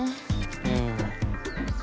うん。